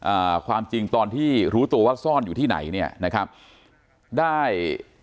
อ่าความจริงตอนที่รู้ตัวว่าซ่อนอยู่ที่ไหนเนี่ยนะครับได้